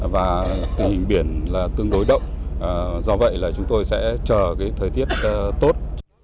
và tình hình biển là tương đối động do vậy là chúng tôi sẽ chờ thời tiết tốt